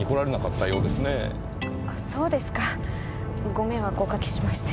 ご迷惑おかけしまして。